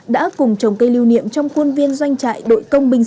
đã cùng trồng cây lưu niệm trong quân viên doanh trại đội công binh số một